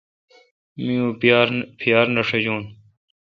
می اں پیار نہ ݭجون۔